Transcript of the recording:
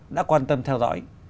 đã quan tâm theo dõi